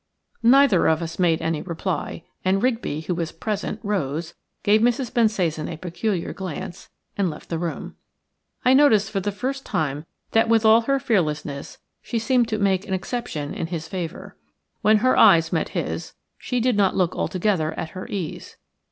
Neither of us made any reply, and Rigby, who was present, rose, gave Mrs. Bensasan a peculiar glance, and left the room. I noticed for the first time that with all her fearlessness she seemed to make an exception in his favour. When her eyes met his she did not look altogether at her ease.